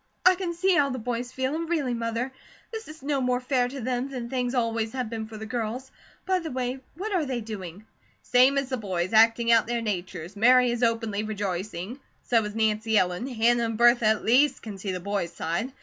I can see how the boys feel, and really, Mother, this is no more fair to them than things always have been for the girls. By the way, what are they doing?" "Same as the boys, acting out their natures. Mary is openly rejoicing. So is Nancy Ellen. Hannah and Bertha at least can see the boys' side.